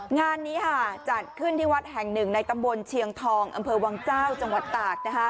งานนี้จัดขึ้นที่วัดแห่งหนึ่งในตำบลเชียงทองอำเภอวังเจ้าจังหวัดตาก